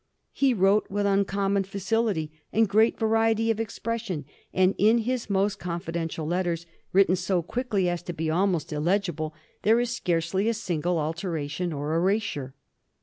"He wrote with uncommon facility and great variety of expression, and in his most confidential letters, written so quickly as to be almost illegible, there is scarce ly a single alteration or erasure.